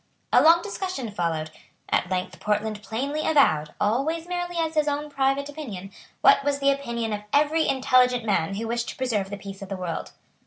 A long discussion followed. At length Portland plainly avowed, always merely as his own private opinion, what was the opinion of every intelligent man who wished to preserve the peace of the world.